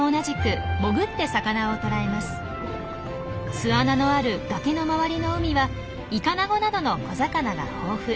巣穴のある崖の周りの海はイカナゴなどの小魚が豊富。